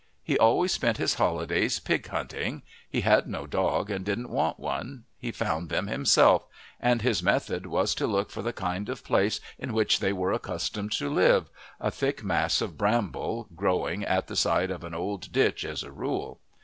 He always spent his holidays pig hunting; he had no dog and didn't want one; he found them himself, and his method was to look for the kind of place in which they were accustomed to live a thick mass of bramble growing at the side of an old ditch as a rule.